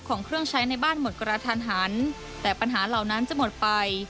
ของเครื่องใช้ในบ้านหมดกระทันหันแต่ปัญหาเหล่านั้นจะหมดไป